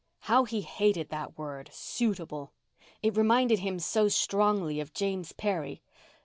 How he hated that word "suitable." It reminded him so strongly of James Perry.